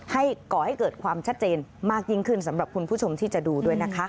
ก่อให้เกิดความชัดเจนมากยิ่งขึ้นสำหรับคุณผู้ชมที่จะดูด้วยนะคะ